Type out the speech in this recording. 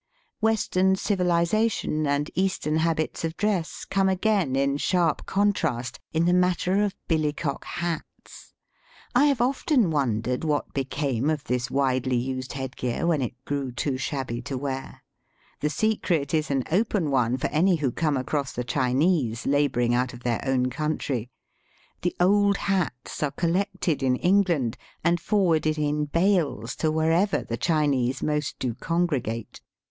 Western civilization and Eastern habits of dress come again in sharp contrast in the matter of billycock hats. I have often wondered what became of this widely used head gear when it grew too shabby to wear. The secret is an open one for any who come across the Chinese labouring out of their own country. The old hats are collected in Eng land and forwarded in bales to wherever the Chinese m ost do congregate.